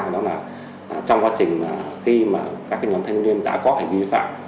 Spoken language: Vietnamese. và đó là trong quá trình khi mà các nhóm thanh niên đã có hành vi phạm